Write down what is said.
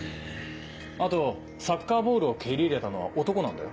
あとサッカーボールを蹴り入れたのは男なんだよ。